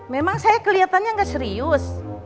memang saya kelihatannya nggak serius